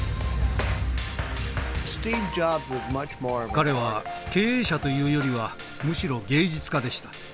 彼は経営者というよりはむしろ芸術家でした。